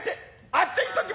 あっちゃ行っとき！